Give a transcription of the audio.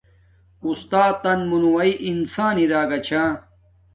استاتن مونوواݵ انسان اراگا چھا